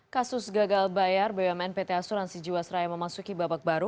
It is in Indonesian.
kasus gagal bayar bumn pt asuransi jiwasraya memasuki babak baru